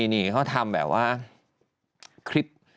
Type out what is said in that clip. นี่เขาทำแบบว่าคลิป